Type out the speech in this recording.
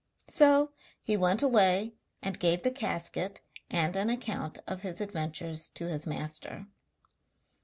So he went away and gave the casket and an account of his adventures to his master.